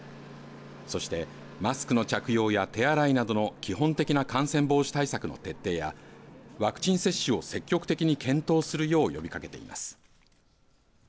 そしてマスクの着用や手洗いなどの基本的な感染防止対策の徹底やワクチン接種を積極的に検討するよう呼びかけています。